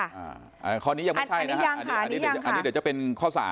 อันนี้เดี๋ยวจะเป็นข้อ๓